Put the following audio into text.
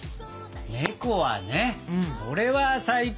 ネコはねそれは最高。